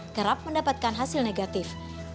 kerap mendapatkan hasil negatif